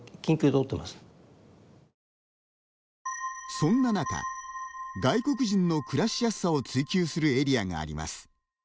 そんな中、外国人の暮らしやすさを追求するエリアがあります。